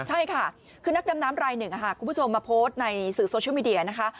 ใช่ค่ะคือนักดำน้ำรายหนึ่งคุณผู้ชมมาโพสต์ในสื่อโซเชียลมีเดียนะคะ